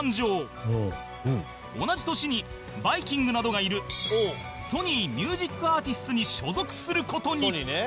同じ年にバイきんぐなどがいるソニー・ミュージックアーティスツに所属する事に